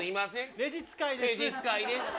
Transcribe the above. レジ使いです。